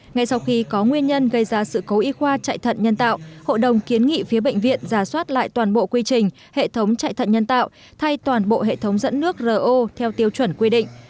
ngay sau khi có nguyên nhân gây ra sự cố y khoa chạy thận nhân tạo hội đồng kiến nghị phía bệnh viện giả soát lại toàn bộ quy trình hệ thống chạy thận nhân tạo thay toàn bộ hệ thống dẫn nước ro theo tiêu chuẩn quy định